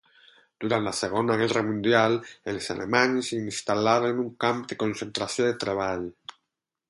Durant la Segona Guerra mundial, els alemanys hi instal·laren un camp de concentració de treball.